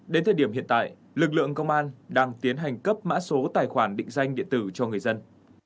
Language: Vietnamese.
đến thời điểm hiện tại lực lượng công an đang tiến hành cấp mã số tài khoản định danh điện tử cho người dân